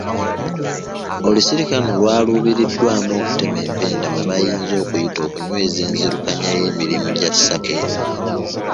Olusirika luno lwaluubiriddwamu okutema empenda mwe bayinza okuyita okunyweza enzirukanya y'emirimu gya sacco eno.